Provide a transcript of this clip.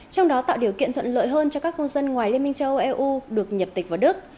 trong đó tạo điều kiện thuận lợi hơn cho các công dân ngoài liên minh châu âu eu được nhập tịch vào đức